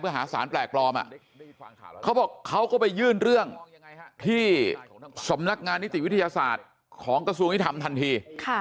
หาสารแปลกปลอมเขาบอกเขาก็ไปยื่นเรื่องที่สำนักงานนิติวิทยาศาสตร์ของกระทรวงยุทธรรมทันที